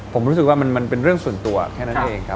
ผมรู้สึกว่าเป็นเรื่องส่วนตัวแต่นั้นเอง